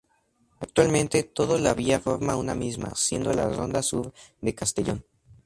Actualmente, todo la vía forma una misma, siendo la "ronda sur" de Castellón.